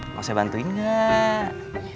mau saya bantuin gak